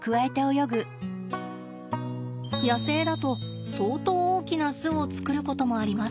野生だと相当大きな巣を作ることもあります。